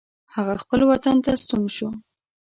هغه خپل وطن ته ستون شو.